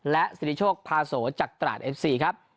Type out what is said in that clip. และสิริโชคพาโสจากตราดเอฟซีครับ